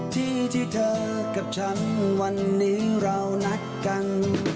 ที่ที่เธอกับฉันวันนี้เรานัดกัน